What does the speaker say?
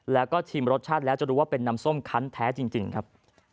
แล้วก็ชิมรสชาติแล้วจะรู้ว่าเป็นน้ำส้มคันแท้จริงครับ